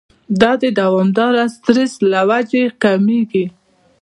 دا د دوامداره سټرېس له وجې کميږي